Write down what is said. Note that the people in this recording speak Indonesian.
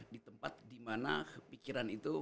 di tempat dimana pikiran itu